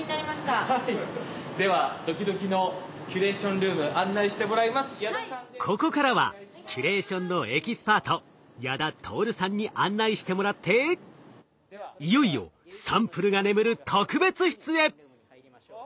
ではドキドキのここからはキュレーションのエキスパート矢田達さんに案内してもらっていよいよサンプルが眠る特別室へ！